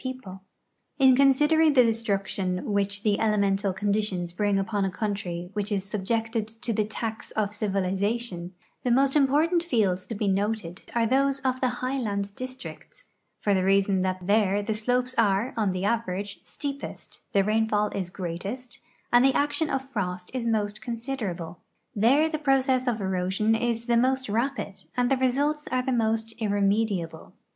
370 THE ECONOMIC ASPECTS OF SOIL EROSION In considering the destruction which the elemental conditions bring upon a country which is subjected to the tax of civiliza tion, the most imjjortant fields to be noted are those of the high land districts, for the reason that there the slopes are, on the average, steepest, the rainfall is greatest, and the action of frost is most considerable. There the process of erosion is the mo.st rapid and the results are the most irremediable.